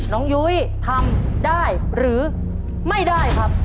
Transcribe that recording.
ยุ้ยทำได้หรือไม่ได้ครับ